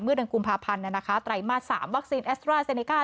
เมื่อดังกลุ่มภาพันธ์นะคะไตรมาส๓วัคซีนแอสเตอราเซเนกา